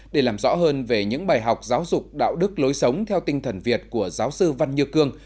để làm rõ hơn về những bài học giáo dục đạo đức lối sống theo tinh thần việt của giáo sư văn như cương